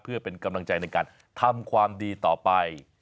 เพื่อเป็นกำลังใจในการทำความดีต่อไป